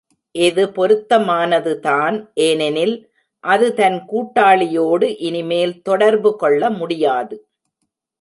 இது பொருத்தமானது தான் ஏனெனில், அது தன் கூட்டாளியோடு இனிமேல் தொடர்பு கொள்ள முடியாது.